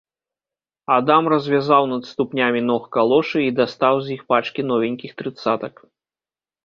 Адам развязаў над ступнямі ног калошы і дастаў з іх пачкі новенькіх трыццатак.